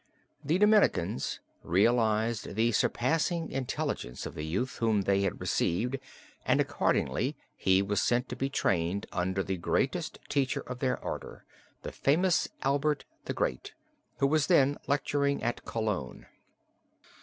The Dominicans realized the surpassing intelligence of the youth whom they had received and accordingly he was sent to be trained under the greatest teacher of their order, the famous Albert the Great, who was then lecturing at Cologne.